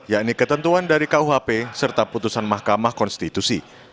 yakni ketentuan dari kuhp serta putusan mahkamah konstitusi